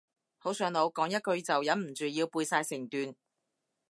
好上腦，講一句就忍唔住要背晒成段